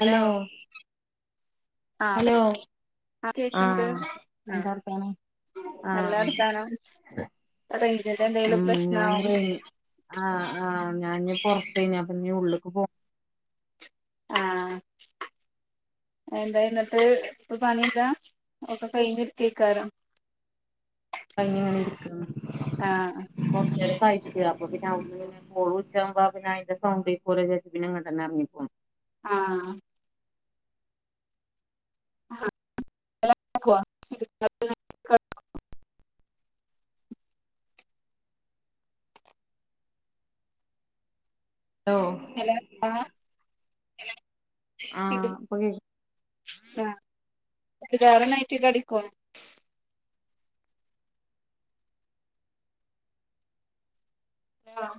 Hello ആഹ് hello ആഹ് കേക്ക്ണ്ട് ആഹ് ആഹ് എന്താർത്തനം നല്ല ആഹ് വർത്താനം റേഞ്ചിന്റെ എന്തെലും ഉം ഞാന് പ്രശ്നാവും ഒരു ആഹ്ആഹ് ഞാന് പുറത്ത അപ്പൊ ഇനീ ഉള്ളിലേക്ക് പോവു [inaudible] എന്തായി ഇന്നത്തത് ഇപ്പൊ പണില്ല ഒക്കെ കഴിഞ്ഞ് ഇരിക്കേക്കാരം കഴിഞ്ഞങ്ങനെ ഇരിക്ക കൊർചേരക്കയിച്ച് അപ്പൊ പിന്നെ അവ്ട്ന്ന്ങ്ങനെ ചോറൂറ്റമ്പോത്തിന് അതിന്റെ സൗണ്ട് കേൾക്കുമ്പോതിന് ഇറങ്ങിപ്പോന്നു ആഹ് [unintelligible] ലോ ഹലോ ആഹ് ആഹ് ഇപ്പോ കേക്ക് ആഹ് [unintelligible] കടിക്കോ ങ്ങഹ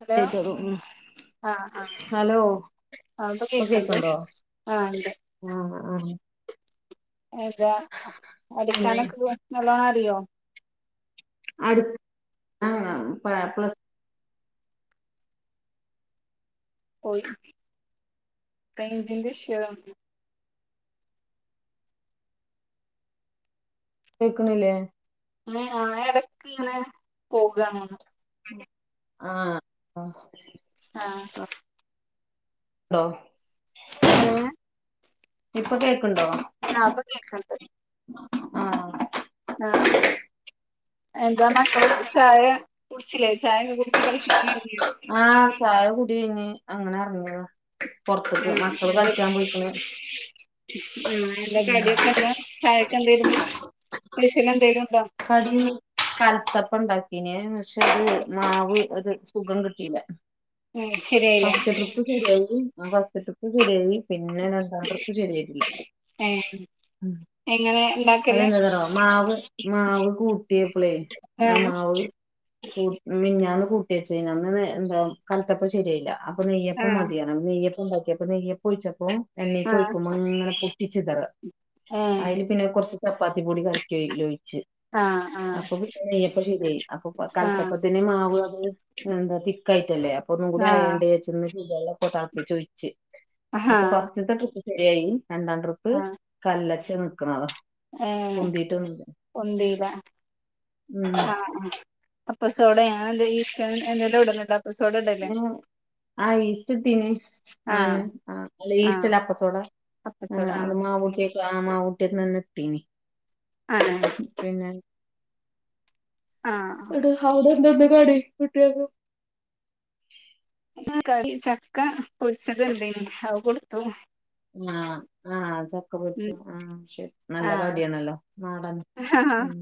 ഹലോ [unintelligible] ആഹ് ആഹ് ഹലോ അവ്ടെ ഇപ്പൊ കേക്ക്ണ്ട് കേക്ക്ണ്ടോ ആ ഇണ്ട് ആഹ് ആഹ് എന്താ പിന്നെ അടിക്കാനൊക്കെ നല്ലോണം അറിയോ? അട് അ എ പ്ലസ് ഓയ് റേയ്ഞ്ചിന്റെ ഇഷൂ കേക്ക്ണില്ലേ മെ ആഹ് ഇടക്ക് ഇങനെ പോകാണ് ആഹ് ആഹ് ഡോ ഏ ഇപ്പൊ കേൾക്ക്ണ്ടോ? ആഹ് ഇപ്പ കേക്ക്ണ്ട് ആഹ് ആഹ് എന്താ മക്കള് ചായ കുടിച്ചിലേ? ചായൊക്കെ കുടിച്ച് ങ്ങൾ പിന്നെ ഒർങ്ങിയോ ആഹ് ചായ കുടി കഴിഞ്ഞ് അങ്ങനെ അർങ്ങിയതാ പൊർത്ക്ക് ആഹ് മക്കള് എന്താ കളിച്ചാൻ പോയിക്ണ് ആഹ്. എന്താ കടിയൊക്കെന്താ?. ചായക്കെ എന്തേര്ന്നു. സ്പെഷ്യൽ എന്തേലുംണ്ടോ? ക്കടി കൽത്തപ്പം ഉണ്ടാക്കിന് പക്ഷെത അത് മാവ് ഒരു സുഖം കിട്ടില്ല ഉം ശരിയായില്ലേ ഇപ്പൊ ശരിയായി [unintelligible] ശരിയായി പിന്നെണ് സമ്പൃപ്പ ശരിയായിട്ടി ല്ല ഏഹ് എങ്ങനെ ഇണ്ടാക്കല് അതെന്താന്നോ മാവ് മാവ് കൂട്ടിയപ്പളെ ആ ആഹ് മാവ് മ് മിഞാന്ന് കൂട്ടിയച്ചന്ന് എന്താ കലത്തപ്പ ശരിയായില്ല അപ്പൊ നെയ്യപ്പം ആഹ് മതിയാണ് നെയ്യപ്പം ഉണ്ടാക്കിയ അപ്പ നെയ്യപ്പ ചഴിച്ചപ്പ ആഹ് എണ്ണികൊഴിക്കുമ്പോ അങ്ങനെ പൊട്ടിച്ചിതറ ഏഹ് അയില് പിന്നെ കുറച്ച് ചപ്പാത്തി പൊടി കലക്കിലോ ആഹ് അപ്പൊപിന്നെ നെയപ്പം ശെരിയായി അപ്പൊ ആഹ് ആഹ് കൽത്തപ്പത്തിനു മാവ് അത് എന്താ തിക്കായിട്ടല്ലേ അപ്പൊ ഒന്നും കൂടി ആയാണ്ട് ഏ ച്ചിന്ന് ചിയ്യാല്ല പ്പൊ തളപ്പിച്ച് ഒഴിച്ച് ആഹ് ആഹ് അപ്പൊ ഫസ്റ്റ്ത്തെ ട്രിപ്പ് ശരിയായി രണ്ടാം ട്രിപ്പ് കല്ലച്ച് നിക്കണതോ എഹ് ഒന്തില ഉം ആഹ് അ- അപ്പസോടയാ ഈസ്റ്റ് എന്തേലു ഇടലണ്ടോ? ആ ഈസ്റ്റ്ട്ടീന് ആഹ് ആണ് അ അല്ല ഈസ്റ്റല്ല അപ്പസോട അപ്പച്ചോട ആ [unintelligible] ആഹ് പിന്നെ ആഹ് എട് അവിടെ എന്തൊന്ന് കടി കുട്ടിക്ക് ആ ക ചക്ക പൊരിച്ചത് ഉണ്ടെനി അത് കൊടുത്തു ആഹ് ആഹ് ചക്ക പൊരിച്ച ഉം ആഹ് ശരി നല്ല കടിയണല്ലോ നാടൻ ആഹ് ഉം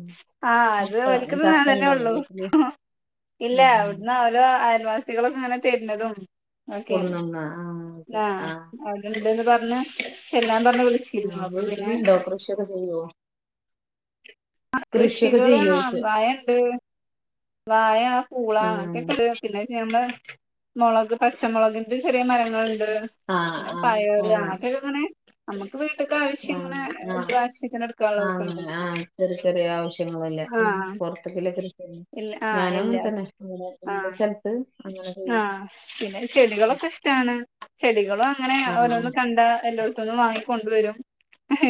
ആഹ് അത് ചക്ക ഒരിക്കിത് നാടനെ ചക്കണ്ടോ ഉള്ളു വീട്ടില് ഇല്ല ഉം അവിടന്ന് ഒരോ അയൽവാസികളുക്കെ ഇങ്ങനെ തരുന്നതും ഓക്കെയാണ് കൊടന്നന്നാ ആഹ് ശരി ആഹ് അവിടെണ്ടന്ന് പറഞ്ഞ് ചെല്ലാൻ പറഞ്ഞ് വിളിച്ച് ആഹ് വീട്ടില്ണ്ടോ കൃഷിയൊക്കെ ചെയ്യുവോ ആഹ് കൃഷികള് ചെയ്യോയ്ച്ച അമ്പായ ണ്ട് വാഴ, പൂളാ ഉം അങ്ങയൊക്കെണ്ട് പിന്നെ ചേമ്പ് മുളക് പച്ചമുളകിന്റെ ചെറിയ മരങ്ങളുണ്ട് ആഹ് പിന്നെ ആഹ് പയറ് ആഹ് അങ്ങനത്തൊക്കെ ഇങ്ങനെ നമ്മുക്ക് വീട്ടക്ക് ആവശ്യം ഇങ്ങനൊ ആഹ് ആഹ് ആവശ്യത്തിന് എടുക്കുനുള്ളതൊക്കെണ്ടേയ്നു ശ്യങ്ങളല്ലേ മ് പുറത്ത്ക്ക്ലേക്ക് ഇല്ല ആഹ് ഇല്ല ഉള്ള ആഹ് സ്ഥലത്ത് അങ്ങനെ ചെയ്യും ആഹ് പിന്നെ ചെടികളൊക്കെ ഇഷ് ട്ടാണ് ചെടികളും അങ്ങനെ ആഹ് ഓരോന്നും കണ്ടാ എല്ലോടത്തുന്നും വാങ്ങി കൊണ്ടുവരും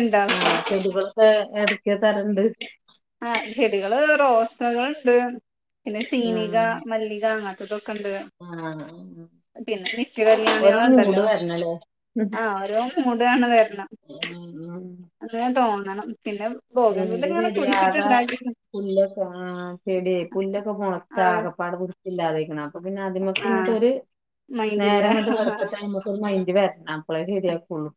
എന്താ ആഹ് ചെടികളൊക്കെ ഏതൊക്കെതരണ്ട് ആഹ് ചെടികള് റോസകളുണ്ട് പിന്നെ സീനിക, ആഹ് മല്ലിക അങ്ങ എതൊക്കെണ്ട് ആഹ് മ് പിന്നെ നിത്യല്യാണികളുണ്ടല്ലോ ഉം ആഹ് ഓരോ മൂടാണ് വരണ [unintelligible] ഉം എന്തേം തോന്നണം പിന്നെ ബോഗയിൻവില്ലക്കെ ഇങ്ങനെ കുടിച്ചിട്ട് ഉണ്ടാക്കിട്ടു പുല്ലൊക്ക ആ ചെടിയെ പുല്ലൊക്ക ആഹ് മൊളച്ചാകപാട് ഇല്ലാതിരിക്കണം അപ്പൊ പിന്നെ അതിമക്ക് ആഹ് ഇങ്ങോട്ടൊരു മൈൻഡില്ല നേരം അങ്ങോട്ട് ആഹ് വെളിത്തട്ട് അയിമക്ക് ഒരു മൈന്റ് വരണം അപ്പോളേ ശരിയാക്കുള്ളൂ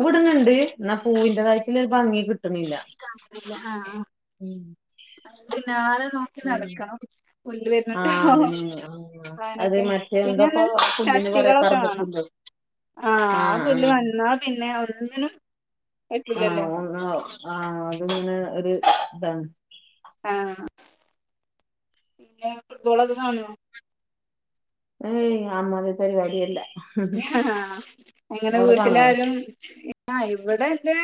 അമിക്ക് എന്നാ പൂവിന്റെതായിട്ടുള്ള ഒരു ഭംഗി കിട്ടണില്ല ആഹ് മ് പിന്നാലെ നോക്കി നടക്കണം പുല്ല് ആ വരുന്നുണ്ടോ അതന്നെ ആ അത് അങ്ങനൊക്കെ മറ്റേ പിന്നെന്ന എന്താപ്പോ പുല്ലിന് പറയാ ചട്ടികളൊക്കെ വേണം കറുകപ്പുല്ലോ ആഹ് ആ പുല്ല് വന്നാ പിന്നെ ഒന്നിനും പറ്റൂലല്ലോ ആഹ് ഒഹ് ആഹ് അത് പിന്നെ ഒരു ഇതാണ് ആഹ് പിന്നെ ഫുട്ബോളൊക്കെ കാണുവോ ഏയ് അമതിരി പരിപാടിയെ ഇല്ല ആഹ് അങ്ങനെ വീട്ടിലാരും ആഹ് ഇവിടെന്റെ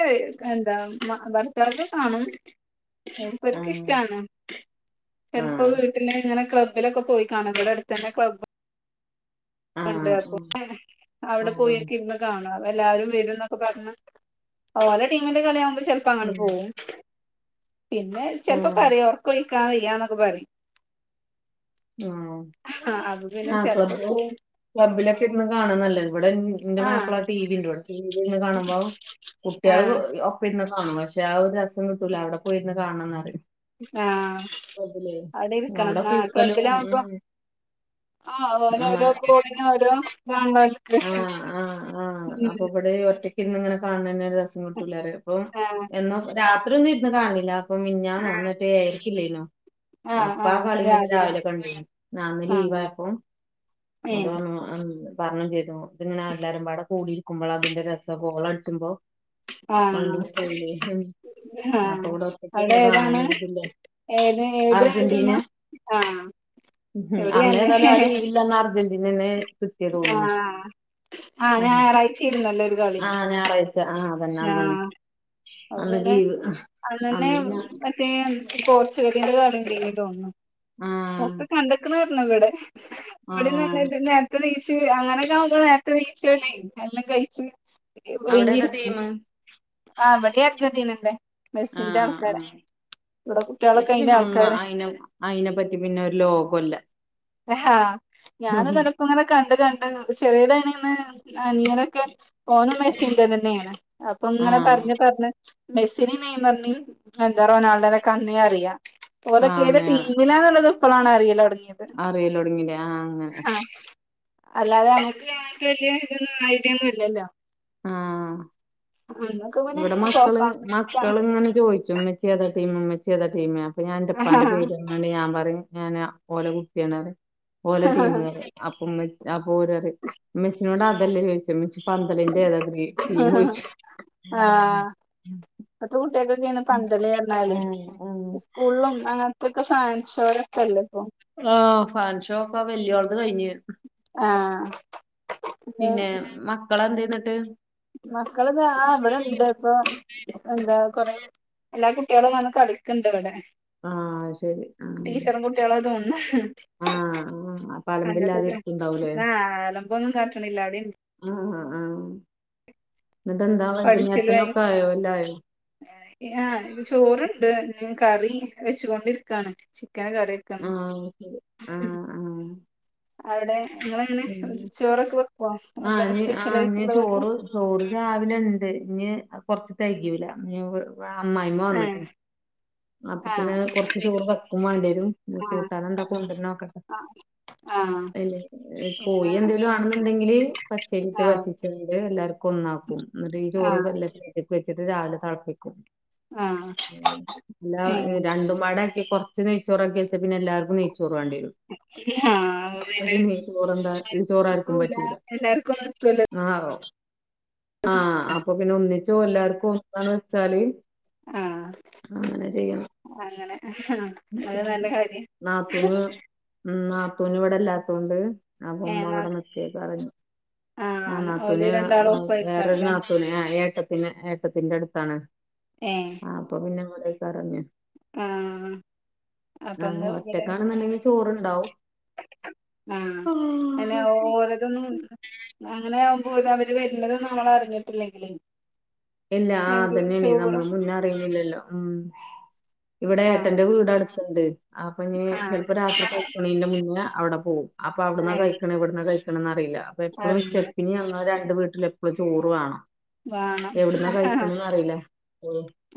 എന്താ മ ഭർത്തവൊക്കെ കാണും മുപ്പർക്ക് ആഹ് ഇഷ്ടാണ് ആഹ് എപ്പയും വീട്ടലെ ഇങ്ങനെ ക്ലബ് ലൊക്കെ പോയി കാണും ഇവിടെ അടുത്തന്നെ ക്ലബ് ണ്ട് ആഹ് അപ്പൊ ആഹ് അവിടെ ആഹ് പോയക്കെ ഇരിന്ന് കാണും എല്ലാരും എന്നൊക്കെ പറഞ്ഞ് ഓരോ ടീമിന്റെ കളിയാകുമ്പോ ചില പ്പ അങ്ങോട്ട് പോവും പിന്നെ ചിലപ്പോ ആഹ് പറയും ഉറക്കൊഴിക്കാ വയ്യാന്നൊക്കെ പറയും ആഹ് ആഹ് അപ്പൊ പിന്നെ ആഹ് ചെലപ്പോ ക്ലബ്ബ് പോവും ക്ലബ്ബിലൊക്കെ ഇരിന്ന് കാണാൻ നല്ല ഇവിടെ എന്റെ ആഹ് മാപ്പിള ടി വി ഉണ്ട് ഇവിടെ ടി വി ഇരിന്ന് കാണുമ്പോ കുട്ടികള് ആഹ് ഒ പിണ്ണും കാണും പക്ഷെ ആ ഒരു രസം കിട്ടൂല അവിടെ പോയിരിന്ന് കാണണം എന്ന് പറയും ആഹ് അവിടെ ഇരിക്കണം ആ കൊ ഉമ് ഉമ് ആഹ് ഓരോ ഓരോ ഗോളിന് ഓരോ ഇതണല്ലോ ഒൽക്ക് ആഹ് ആഹ് ആഹ് മ് അപ്പൊ ഇവിടെ ഒറ്റക്ക് ഇരിന്ന് ഇങ്ങനെ കാണന്നെ രസം കിട്ടുല്ല പ്പോ ആഹ് എന്നും രാത്രി ഒന്നും ഇരുന്ന് കാണില്ല അപ്പൊ മിഞ്ഞാന്നോ ഇന്നോ [unintelligible] ആഹ് അപ്പാ ആ ആഹ് കളി രാവിലെ കണ്ട് ആഹ് ഇന്ന് ലീവയപ്പോ ഏഹ് പറഞ്ഞ് ചെയ്തു ഇതിങ്ങനെ എല്ലാരും പാടെ കൂടിയിരിക്കുമ്പോൾ അതിന്റെ രസ ഗോള് അടിച്ചുമ്പോ ആഹ് അതിന്റെ സ്റ്റൈല് അപ്പൊ ആഹ് ഇവിടെ ഒറ്റക്ക് അവിടെ ഇരുന്ന് ഏതാണ് കാണാനൊരു ഇതില്ല ഏത് ഏത് ടീമ അർജന്റീന ആഹ് ഉം ഇവിടിം അതെന്നെ അന്നേഏതായാലും ആ ലീവിൽ അർജന്റീനന്നെ കിട്ടിയ തോന്നണ് ആഹ് ആഹ് ഞായറാഴ്ചേര്ന്നല്ലോ ഒരു കളി ആഹ് ഞായറാഴ്ച്ച ആഹ് താന്നതാന്നെ ആഹ് അപ്പൊ അന്ന് പിന്നെ ലീവ് അന്നെന്നെ അന്നിട്ട് ഞാൻ മറ്റേ പോർച്ചുഗലിന്റെ കളി ഇണ്ടിന്ന് തോന്നുന്നു ആഹ് ഒക്കെ കണ്ടക്ക് ണ്ണ് പറഞ്ഞു ഇവിടെ അവിടെന്ന് നല്ല ആഹ് നേർ നേർത്തെഈച്ച് അങ്ങനെയൊക്കെ ആവുമ്പോൾ നേരത്തെ ഇണിച്ച്ല്ലേ എല്ലാം കഴിച്ച് അവിടെ ഓഴിഞ്ഞി ഏതാ ടീമ് ആ ഇവിടെ അർജന്റീനന്നെ മെസ്സിന്റെ ആഹ് ആൾക്കാര ആഹ് ഇവിടെ കുട്ടികളൊക്കെ അയിന്റെ ആൾക്കാര അയിനെപ്പറ്റി പിന്നെ ഒരു ലോകം ഇല്ല ഹഹ് ഞാൻ [unintelligible] ഇപ്പോ ഇങ്ങനെ കണ്ട് കണ്ട് ചെറിയത് അയിന് ഇന്ന് ഇങ്ങനാക്കെ ഒനും മെസ്സിന്റെ തന്നെയാണ് അപ്പം ഇങ്ങനെ ആഹ് പറഞ്ഞ് പറഞ്ഞ് മെസ്സിനെ നെയ്മറിനെ എന്താ റൊണാൾഡോനൊക്കെ അന്നേ അറിയാ ഓലോക്ക ഏത് ആഹ് ടിമിലാന്നുള്ളത് ഇപ്പളാണ് അറിയല് തുടങ്ങിയത് അറിയല് തുടങ്ങില്ലേ ആഹ് അല്ലാതെ നമുക്ക് വലിയ ഇതൊന്ന് ഐഡിയ ഒന്നും ഇല്ലല്ലോ ആഹ് ഞങ്ങൾക്ക് പിന്നെ ഇവിടെ സോഫ മക്കള് മക്കള് ഇങ്ങനെ ചോദിക്കും ഉമ്മച്ചി ഉമ്മച്ചി ഏതാ ടീം ഉമ്മച്ചിഏതാ ടീം അപ്പാ ഞാൻന്റെ ഇപ്പാന്റെ പേര് ഞാൻ പറയും ഞാന് ഓല കുട്ടിയാണ് ഓല ടീംമ് പറയും അപ്പം ഉമ്മ [unintelligible] ഇമ്മച്ചിനോട് അതല്ല ചോദിച്ചേ ഇമ്മച്ചി പന്തല്ല ഏതാ ടീം ചൊയിച്ചും ആഹ് ഇപ്പത്തെ കുട്ടികക്കൊക്കെ ഈ പന്തള പറഞ്ഞാല് ആഹ് ആഹ് സ്കൂളും അങ്ങ ഇപ്പാക്കെ ഫാൻഷോരെ ഒക്കല്ലേ ഇപ്പൊ ആഹ് ഫാൻ ഷോ ഒക്കെ വലിയോളത് കഴിഞ്ഞ് ആഹ് പിന്നെ മക്കളെ എന്തോന്നിട്ട് മക്കളിത ആ ഇവിടെ ഇണ്ട് ഇപ്പൊ എന്താ കൊറേ എല്ലാ കുട്ടികളും വന്ന് കളിക്കണ്ട് ഇവിടെ ആഹ് ശരി ആഹ് ടീച്ചറും കുട്ടിളോ തേന്ന്ണ് ആഹ് പലമ്പില്ലാതെ അങ്ങത്തക്കെ ഇരിക്കുണ്ടാവൂലേ ആ അലമ്പോന്നും കാട്ടണില്ല ആഹ് ആഹ് ആഹ് എന്നിട്ട് എന്താ പഠിച്ചല് ആയി വൈകുന്നേരത്തിനൊക്കെ ആയോ എല്ലാം ആയോ ആഹ് ചോറ് ഉണ്ട് കറി വെച്ചൊണ്ടിരിക്കാണ് ചിക്കന് കറിവെക്കാണ് ആഹ് ശരി ആഹ് ആഹ് അവിടെ നിങ്ങള് എങ്ങനെ പിന്നെ ചോറൊക്കെ വെക്കവാ ആഹ് എല്ലാ ഇനി സ്പെഷ്യല ആഹ് ഇനി ആയിട്ടുള്ളതൊക്കെ ചോറ് ചോറ് രാവിലെ ഉണ്ട് ഇഞ്ഞി കൊറച്ച് തെകയുല്ലാ അമ്മായിമ്മ ഏ വന്നിക്കിണ് അപ്പൊ ആ പിന്നെ കൊറച്ച് ചോറ് വെക്കും വേണ്ടി വരും കൂട്ടാനെ എന്താ കൊണ്ടുവരുന്ന നോക്കട്ടെ ആഹ് അല്ലേ കോഴി എന്തെങ്കലും ആണെന്നുണ്ടെങ്കില് പച്ചരിട്ട് ആ വാറ്റിച്ചണ്ട് എല്ലാർക്കും ഒന്നാക്കും എന്നിട്ട് ഈ ആ ചോറ് എടുത്ത് വിച്ചിട്ട് രാവിലെ തെളപ്പിക്കും ആ ഇല്ല ഏ രണ്ടും പടക്കെ കൊറ കൊറച്ച് നെയ്ച്ചോറാക്കി വെച്ച പിന്നെല്ലാവർക്കും നെയ്ചോറ് വേണ്ടി വരും അപ്പൊ പിന്നെ ഈ ചോറെന്താ ഈ [inaudible] ആ ആഹ് അപ്പൊ പിന്നെ ഒന്നിച്ചു എല്ലാർക്കും എന്താന്ന് വെച്ചാല് ആഹ് അങ്ങനെ ചെയ്യണം അങ്ങനെ പിന്നെ നാത്തൂന് ഉം നാത്തൂന് ഇവടെല്ലാത്തൊണ്ട് അപ്പൊ ഏ ഉമ്മ ന്നാ ഇവിടെ നിക്കിയേ പറഞ്ഞ് ആ ആഹ് ഓല് നാത്തൂന് രണ്ടാളും ആഹ് വേറൊരു ഒപ്പായിരിക്കാറല്ലേ നാത്തൂന് ആ ഏട്ടത്തിന് ഏട്ടത്തിന്റെടുത്താണ് ഏ അപ്പൊ പിന്നെ ഇവടെക്കരഞ്ഞ് ആ ങ്ങ അപ്പൊന്ന് ഒറ്റക്കാണ്ന്ന്ണ്ടെങ്കി ചോർണ്ടാവും ആഹ് അല്ല ഓലതൊന്നും അങ്ങനെ ആകുമ്പോ ഓര് അവര് വരുന്നത് നമ്മൾ അറിഞ്ഞിട്ടില്ലെങ്കിൽ എല്ലാ അതെന്നെണേ നമ്മൾ മുന്നെ റില്ലല്ലോ ഉം ഇവിടെ ആ ഏട്ടന്റെ വീട് അട്ത്ത്ണ്ട് അപ്പഞ്ഞ് ആ ചെൽപ്പോ രാത്രി കഴിക്കണന്റെ മുന്നേ അവ്ടെ പോവും അപ്പൊ അവിട്ന്ന് ഏ കഴിക്കണെ ഇവിടുന്ന കഴി ക്കണംന്നറീല്ല അപ്പൊ എപ്പളും അറിയില്ല സ്റ്റെപ്പിനി അങ്ങളെ രണ്ട് വീട്ടിലും എപ്പളും ചോറ് വേണം വേണം എവട്ന്നാ ആ കഴിക്കണംന്ന് അറീല്ല ഓ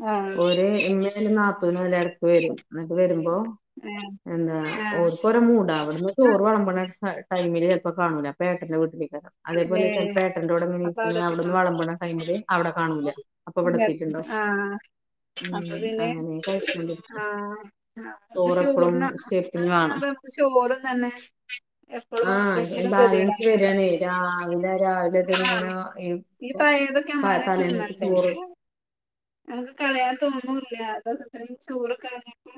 ആഹ് ഓര് ഇമ്മലും നാത്തൂനും എല്ലൊം എടക്ക് വരും ന്നൊക്കെ വരുമ്പോ എന്താ ആഹ് ഓർക്ക് ഓരോ മൂടാ അവിടന്ന് ആഹ് ചോറ് വിളമ്പണ ടൈമില് ചെൽപ്പോ കാണൂല അപ്പേട്ടന്റെ വീട്ടിലോക്കാരം അതേപോലെ ഏഹ് ചേൽപ്പേട്ടന്റെോട ഇങ്ങനീ അപ്പൊ അവിടെത്തിക്കണോ അവിടുന്ന് വളമ്പ്ണ ടൈമില് അവിടെ കാണൂല അപ്പൊവടെത്തിട്ട്ണ്ടാവും- ആഹ് ഉം അപ്പൊ പിന്നെ അങ്ങനെ കൊഴപ്പണ്ട് ആഹ് ആഹ് തോറെപ്പടും സ്റ്റെപ്പിന്ന് വാണം ഇപ്പൊ ചോറും തന്നെ എപ്പോളും ഇല്ലെങ്കിലും ഗതിയേടാണ് ഏഹ് രാവിലെ രാവിലെ ഇത് ഇങ്ങനെ ഈ ഈ പയേതൊക്കെ പ- നമ്മളന്നെ തലേന്നത്തെ തിന്നണ്ടേ ചോറ് നമുക്ക് കളയാൻ തോന്നൂല്ല അത് ഇത്രയും ചോറ് കളഞ്ഞിട്ട്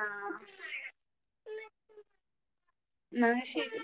ആഹ് ന്നാ ശെരി